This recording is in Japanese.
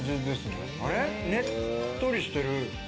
ねっとりしている。